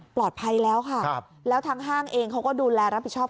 ปลอดภัยแล้วค่ะครับแล้วทางห้างเองเขาก็ดูแลรับผิดชอบ